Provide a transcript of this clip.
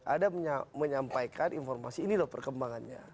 ada menyampaikan informasi ini loh perkembangannya